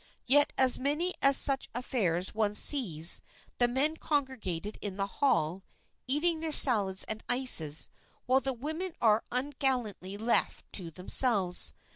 Yet at many such affairs one sees the men congregated in the hall, eating their salads and ices, while the women are ungallantly left to themselves.